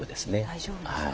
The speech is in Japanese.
大丈夫ですか？